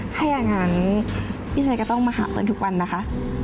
ถ้าอย่างนั้นพี่ชัยก็ต้องมาหาเปิ้ลทุกวันนะคะ